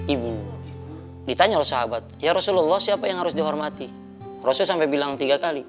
ibu ditanya oleh sahabat ya rasulullah siapa yang harus dihormati proses sampai bilang tiga kali